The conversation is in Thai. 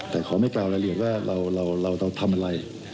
แต่เขาไม่กล่าวรายละเอียดว่าเราต้องทำอะไร